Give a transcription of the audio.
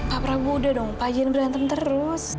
pak prabu udah dong pak jirin berhantam terus